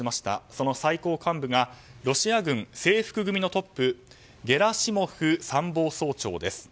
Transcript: その最高幹部がロシア軍制服組のトップゲラシモフ参謀総長です。